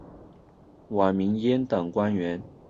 晚明阉党官员。